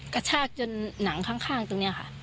กระชากจนหนังข้างตรงนี้ค่ะ